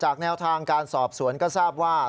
แนวทางการสอบสวนก็ทราบว่า